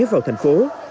vào thành phố